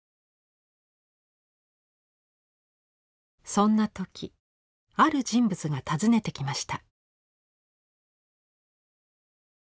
そんな時ある人物が訪ねてきました。